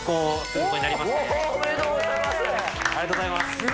おめでとうございます。